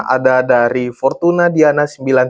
ada dari fortuna diana sembilan ribu tiga ratus delapan